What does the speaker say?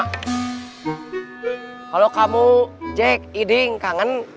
kalau kamu jack eding kangen